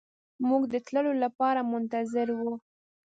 موږ د تللو لپاره منتظر وو.